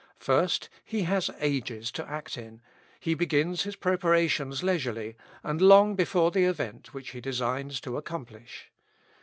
First, as He has ages to act in, he begins his preparations leisurely, and long before the event which He designs to accomplish.